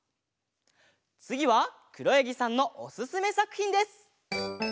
つぎはくろやぎさんのおすすめさくひんです。